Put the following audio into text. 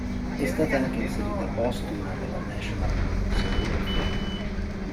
È stata anche inserita postuma nella National Women's Hall of Fame.